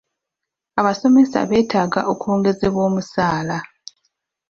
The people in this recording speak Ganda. Abasomesa beetaaga okwongezebwa omusaala